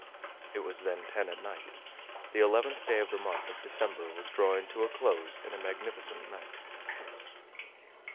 It was then ten at night. The eleventh day of the month of December was drawing to a close in a magnificent night.